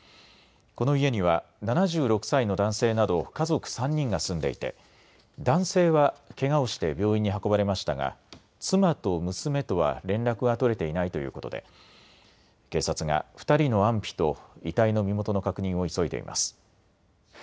この家には７６歳の男性など家族３人が住んでいて男性はけがをして病院に運ばれましたが妻と娘とは連絡が取れていないということで警察が２人の安否と遺体の身元の確認を急いでいます。